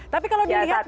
tapi kalau dilihat dari